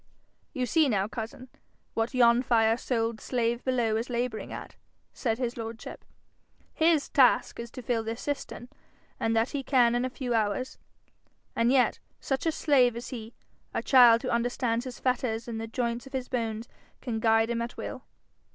'You see now, cousin, what yon fire souled slave below is labouring at,' said his lordship. 'His task is to fill this cistern, and that he can in a few hours; and yet, such a slave is he, a child who understands his fetters and the joints of his bones can guide him at will.'